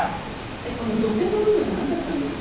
この土手の部分何だったんですか？